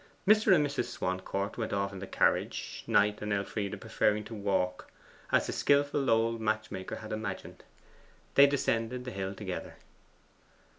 Mr. and Mrs. Swancourt went off in the carriage, Knight and Elfride preferring to walk, as the skilful old matchmaker had imagined. They descended the hill together.